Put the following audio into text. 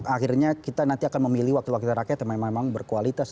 akhirnya kita nanti akan memilih wakil wakil rakyat yang memang berkualitas